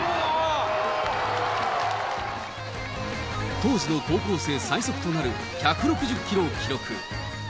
当時の高校生最速となる１６０キロを記録。